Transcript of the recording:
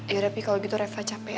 yaudah pi kalau begitu rafa capek